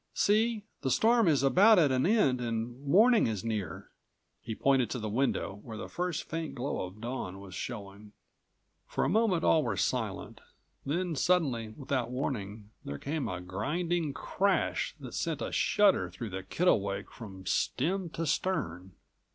See! the storm is about at an end and morning is near!" He pointed to the window, where the first faint glow of dawn was showing. For a moment all were silent. Then suddenly,213 without warning, there came a grinding crash that sent a shudder through the Kittlewake from stem to stern.